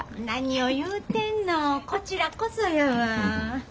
何を言うてんのこちらこそやわ。